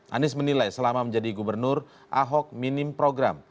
anies menilai selama menjadi gubernur ahok minim program